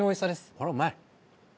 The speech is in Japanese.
これうまい。